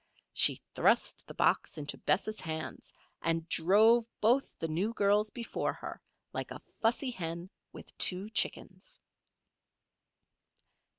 She thrust the box into Bess' hands and drove both the new girls before her, like a fussy hen with two chickens.